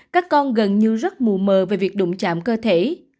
các con gần như rất mù mờ về việc đụng chạm cơ thể